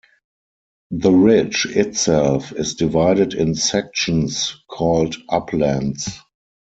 The ridge itself is divided in sections called uplands.